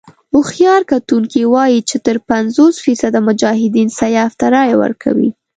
هوښیار کتونکي وايي چې تر پينځوس فيصده مجاهدين سیاف ته رايه ورکوي.